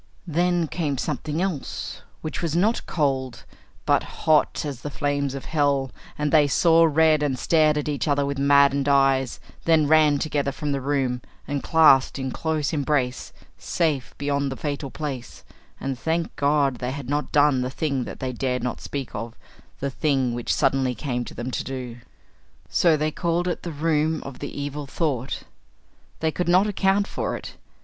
Then came something else which was not cold, but hot as the flames of hell and they saw red, and stared at each other with maddened eyes, and then ran together from the room and clasped in close embrace safe beyond the fatal place, and thanked God they had not done the thing that they dared not speak of the thing which suddenly came to them to do. So they called it the room of the Evil Thought. They could not account for it.